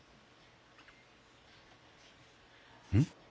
うん？